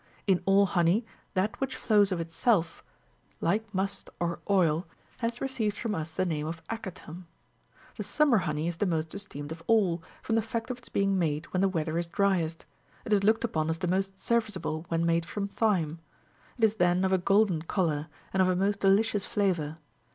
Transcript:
In all honey, that which flows of itself, like must or oil, has received from'us the name of acetum.™ The summer honey is the most esteemed of all, from the fact of its being made when the weather is driest : it is looked upon as the most serviceable when made from thyme f it is then of a golden colour, and of a most delicious flavour.